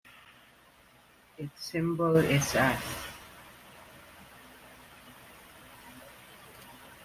Its symbol is as.